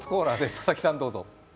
佐々木さん、どうぞ。